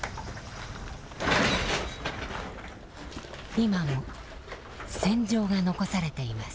今も戦場が残されています。